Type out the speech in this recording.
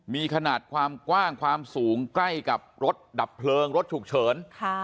มีขนาดความกว้างความสูงใกล้กับรถดับเพลิงรถฉุกเฉิน